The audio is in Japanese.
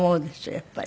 やっぱり。